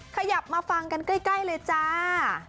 ขยับมาฟังกันใกล้เลยจ้า